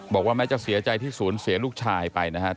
บอกว่าแม้จะเสียใจที่ศูนย์เสียลูกชายไปนะครับ